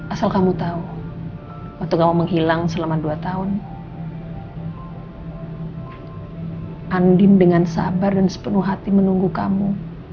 asal kamu tahu waktu kamu menghilang selama dua tahun andin dengan sabar dan sepenuh hati menunggu kamu